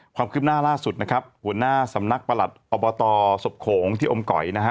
ความคืบหน้าล่าสุดนะครับหัวหน้าสำนักประหลัดอบตศพโขงที่อมก๋อยนะฮะ